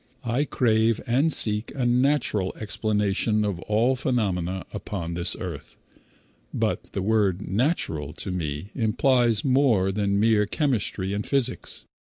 I crave and seek a natural explanation of all phenomena upon this earth, but the word "natural" to me implies more than mere chemistry and physics.